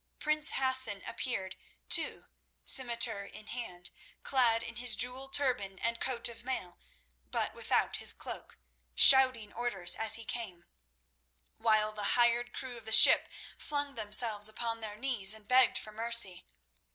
Prince Hassan appeared, too, scimitar in hand, clad in his jewelled turban and coat of mail, but without his cloak, shouting orders as he came, while the hired crew of the ship flung themselves upon their knees and begged for mercy.